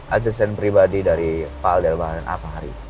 asesan pribadi dari pak alderbahar dan apahari